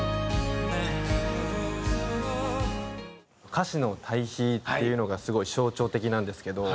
歌詞の対比っていうのがすごい象徴的なんですけど。